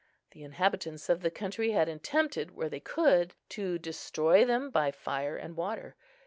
The inhabitants of the country had attempted, where they could, to destroy them by fire and water.